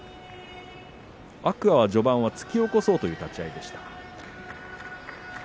天空海は序盤突き起こそうという立ち合いでした。